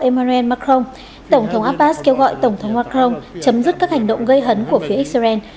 emmuel macron tổng thống abbas kêu gọi tổng thống macron chấm dứt các hành động gây hấn của phía israel